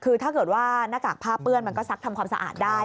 คือถ้าเกิดว่าหน้ากากผ้าเปื้อนมันก็ซักทำความสะอาดได้